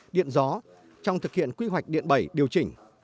điện gió trong thực hiện quy hoạch điện bảy điều chỉnh